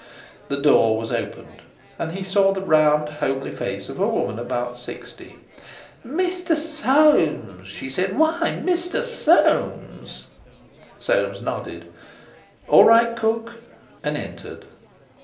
The door was opened, and he saw the round homely face of a woman about sixty. "Mr. Soames!" she said: "Why! Mr. Soames!" Soames nodded. "All right, Cook!" and entered.